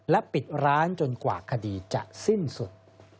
ปิดร้านจนกว่าคดีจะสิ้นสุด